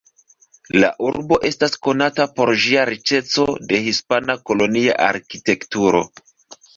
La urbo estas konata por ĝia riĉeco de hispana kolonia arkitekturo.